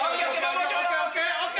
ＯＫＯＫ